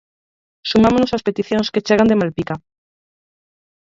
Sumámonos ás peticións que chegan de Malpica.